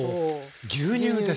牛乳です。